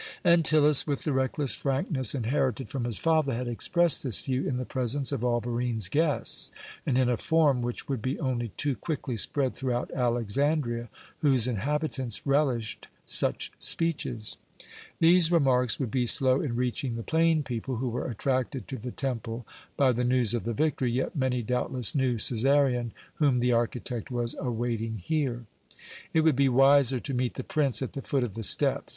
Antyllus, with the reckless frankness inherited from his father, had expressed this view in the presence of all Barine's guests, and in a form which would be only too quickly spread throughout Alexandria, whose inhabitants relished such speeches. These remarks would be slow in reaching the plain people who were attracted to the temple by the news of the victory, yet many doubtless knew Cæsarion, whom the architect was awaiting here. It would be wiser to meet the prince at the foot of the steps.